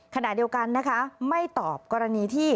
ขณะเดียวกันนะคะไม่ตอบกรณีที่